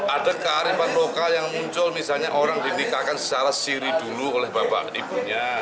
ada kearifan lokal yang muncul misalnya orang dinikahkan secara siri dulu oleh bapak ibunya